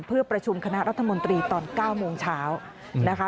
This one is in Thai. เพื่อประชุมคณะรัฐมนตรีตอน๙โมงเช้านะคะ